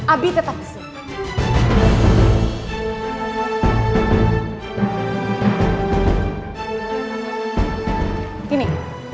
abih tetap disini